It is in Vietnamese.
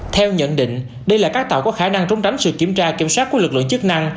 theo nhận định đây là các tàu có khả năng trốn tránh sự kiểm tra kiểm soát của lực lượng chức năng